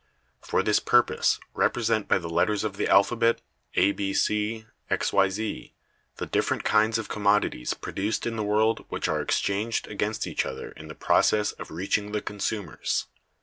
For this purpose represent by the letters of the alphabet, A, B, C, ... X, Y, Z, the different kinds of commodities produced in the world which are exchanged against each other in the process of reaching the consumers.